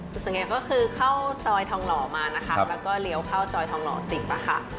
จุดสังเกตก็คือเข้าซอยทางหล่อมาแล้วก็เรียวเข้าซอยทางหล่อ๑๐มั้ยคะ